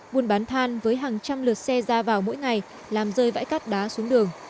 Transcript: buôn bán than với hàng trăm lượt xe ra vào mỗi ngày làm rơi vãi cát đá xuống đường